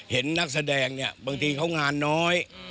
นักแสดงเนี่ยบางทีเขางานน้อย